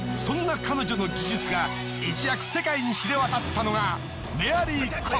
そんな彼女の技術が一躍世界に知れ渡ったのが。